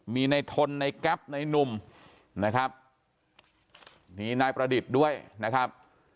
มีในทนในแก๊ปในนุ่มนะครับมีนายประดิษฐ์ด้วยนะครับ